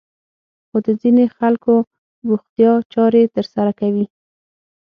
خو د ځينې خلکو بوختيا چارې ترسره کوي.